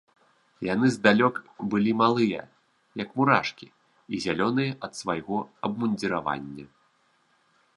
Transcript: Яны здалёк былі малыя, як мурашкі, і зялёныя ад свайго абмундзіравання.